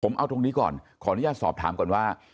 ผมเอาตรงนี้ก่อนขออนุญาตสอบถามก่อนว่า